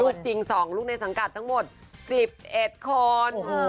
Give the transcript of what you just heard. จริง๒ลูกในสังกัดทั้งหมด๑๑คน